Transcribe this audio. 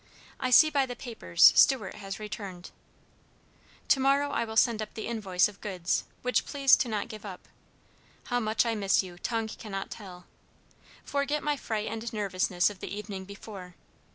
I see by the papers Stewart has returned. To morrow I will send the invoice of goods, which please to not give up. How much I miss you, tongue cannot tell. Forget my fright and nervousness of the evening before.